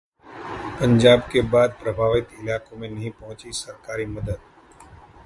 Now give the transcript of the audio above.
पंजाब के बाढ़ प्रभावित इलाकों में नहीं पहुंची सरकारी मदद